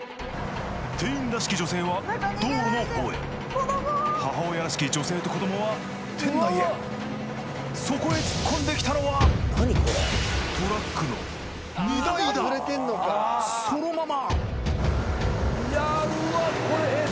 店員らしき女性は道路の方へ母親らしき女性と子どもは店内へそこへ突っ込んできたのはそのまま！